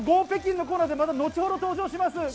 北京！のコーナーで後ほど登場します。